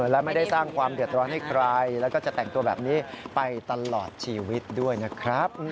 และไม่ได้สร้างความเดือดร้อนให้ใครแล้วก็จะแต่งตัวแบบนี้ไปตลอดชีวิตด้วยนะครับ